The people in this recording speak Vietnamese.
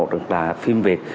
được là phim việt